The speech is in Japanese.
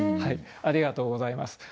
ありがとうございます。